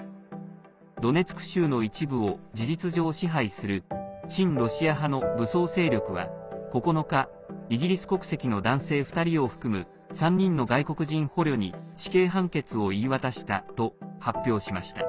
ドネツク州の一部を事実上支配する親ロシア派の武装勢力は９日イギリス国籍の男性２人を含む３人の外国人捕虜に死刑判決を言い渡したと発表しました。